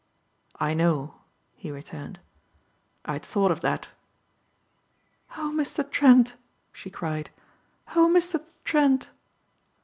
"I know," he returned. "I'd thought of that." "Oh, Mr. Trent!" she cried, "Oh, Mr. Trent!"